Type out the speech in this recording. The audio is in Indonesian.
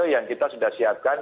yang kita sudah siapkan